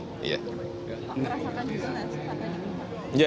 pak rasakan juga langsung pada jam empat